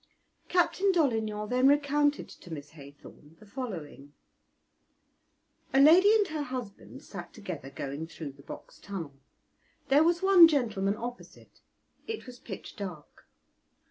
Captain Dolignan then recounted to Miss Haythorn the following: "A lady and her husband sat together going through the Box Tunnel; there was one gentleman opposite; it was pitch dark.